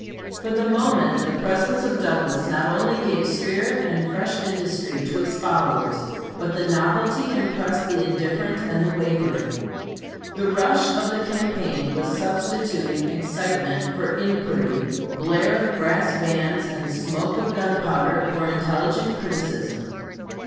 ] For the moment the presence of Douglas not only gave spirit and fresh industry to his followers, but the novelty impressed the indifferent and the wavering. The rush of the campaign was substituting excitement for inquiry, blare of brass bands and smoke of gunpowder for intelligent criticism.